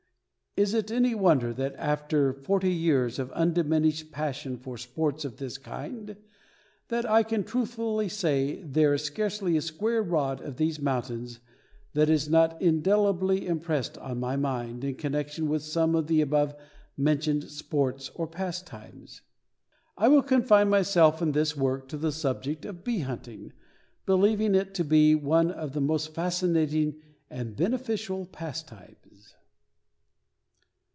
Is it any wonder that after forty years of undiminished passion for sports of this kind that I can truthfully say there is scarcely a square rod of these mountains that is not indelibly impressed on my mind in connection with some of the above mentioned sports or pastimes? I will confine myself in this work to the subject of Bee Hunting, believing it to be one of the most fascinating and beneficial of pastimes.